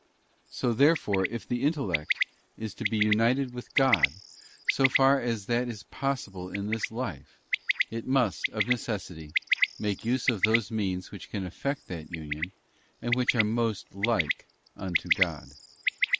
So, therefore, if the intellect is to be united with God, so far as that is possible in this life, it must, of necessity, make use of those means which can effect that union, and which are most like unto God.